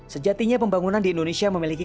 sejatinya pembangunan di indonesia memiliki